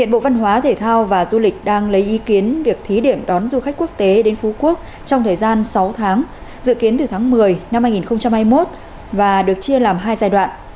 bộ văn hóa thể thao và du lịch đang lấy ý kiến việc thí điểm đón du khách quốc tế đến phú quốc trong thời gian sáu tháng dự kiến từ tháng một mươi năm hai nghìn hai mươi một và được chia làm hai giai đoạn